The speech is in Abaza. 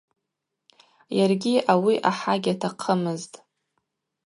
Йаргьи ауи ахӏа гьатахъымызтӏ.